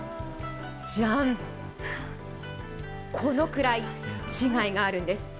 じゃん、このくらい違いがあるんです。